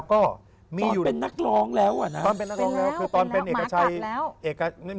ตอนเป็นนักร้องแล้วเป็นแล้วเป็นแล้วเป็นแล้วหมากัดแล้ว